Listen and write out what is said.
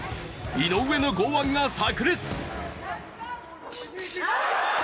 井上の剛腕がさく裂。